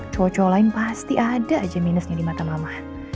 cowok cowok lain pasti ada aja minusnya di mata mama